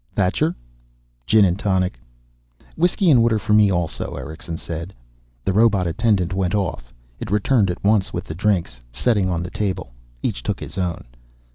"Thacher?" "Gin and tonic." "Whiskey and water for me, also," Erickson said. The robot attendant went off. It returned at once with the drinks, setting them on the table. Each took his own.